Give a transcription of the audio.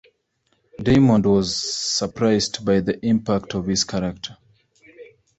Daymond was surprised by the impact of his character.